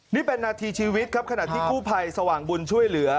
นี่เป็นนาทีชีวิตครับขณะที่กู้ภัยสว่างบุญช่วยเหลือ